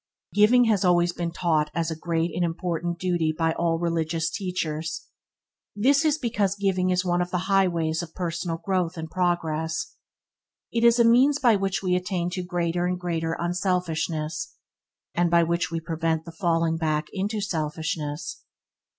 Giving has always been taught as a great and important duty by all the religious teachers. This is because giving is one of the highways of personal growth and progress. It is a means by which we attain to greater and greater unselfishness, and by which we prevent the falling back into selfishness.